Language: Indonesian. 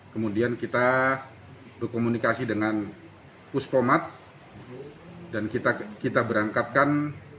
kemudian kita berkomunikasi dengan pus pomat dan kita berangkatkan